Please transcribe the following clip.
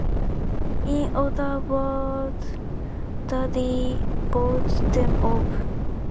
In other words daddy bought them off.